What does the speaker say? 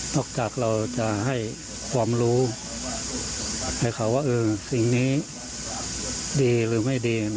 จากเราจะให้ความรู้ให้เขาว่าสิ่งนี้ดีหรือไม่ดี